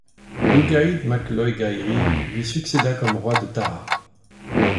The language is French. Lugaid mac Lóegairi lui succéda comme roi de Tara.